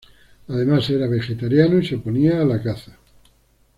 Además era vegetariano y se oponía a la caza.